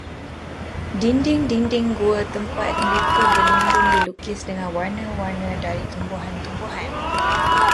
Dinding-dinding gua tempat mereka berlindung dilukis dengan warna-warna dari tumbuh-tumbuhan.